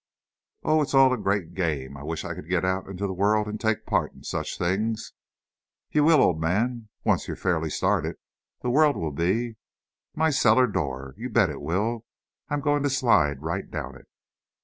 "Oh, it's all a great game! I wish I could get out into the world and take part in such things!" "You will, old man. Once you're fairly started, the world will be " "My cellar door! You bet it will! I'm going to slide right down it."